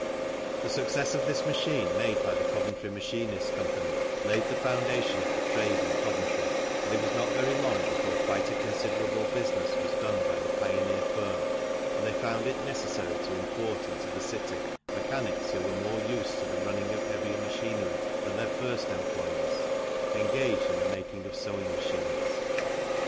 The success of this machine made by the Coventry Machinists Company laid the foundation of the trade in Coventry, and it was not very long before quite a considerable business was done by the pioneer firm, and they found it necessary to import into the city mechanics who were more used to the running of heavier machinery than their first employees, engaged in the making of sewing machines.